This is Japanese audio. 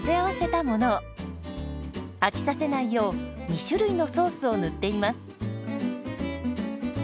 飽きさせないよう２種類のソースを塗っています。